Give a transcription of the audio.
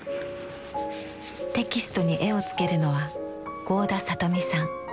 テキストに絵をつけるのは合田里美さん。